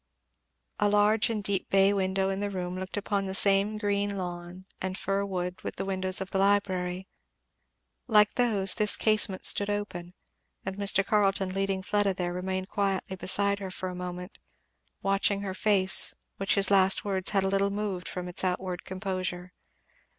A large and deep bay window in the room looked upon the same green lawn and fir wood with the windows of the library. Like those this casement stood open, and Mr. Carleton leading Fleda there remained quietly beside her for a moment, watching her face which his last words had a little moved from its outward composure.